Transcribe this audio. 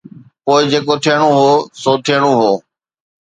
پوءِ جيڪو ٿيڻو هو سو ٿيڻو هو.